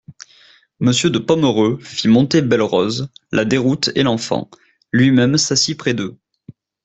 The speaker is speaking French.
Monsieur de Pomereux fit monter Belle-Rose, la Déroute et l'enfant ; lui-même s'assit près d'eux.